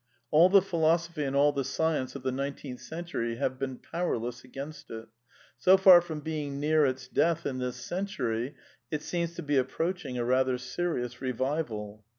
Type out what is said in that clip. All the philosophy and all the science oiTi^ ( the nineteenth century have been powerless against it. So far from being near its death in this century, it seems to be approaching a rather serious revival.